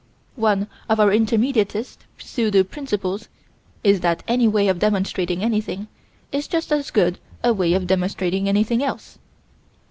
One of our intermediatist pseudo principles is that any way of demonstrating anything is just as good a way of demonstrating anything else.